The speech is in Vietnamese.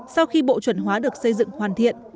sau khi bộ chuẩn hóa được xây dựng hoàn thiện